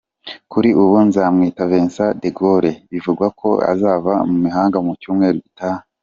Kuri ubu Nzamwita Vincent De Gaulle bivugwa ko azava imahanga mu cyumweru gitaha.